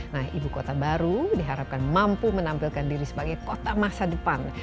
nah ibu kota baru diharapkan mampu menampilkan diri sebagai kota masa depan